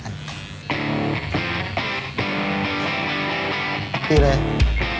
ตอนนี้เราใช้เบอร์๐๐๐